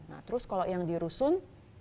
nah terus kalau yang di rusun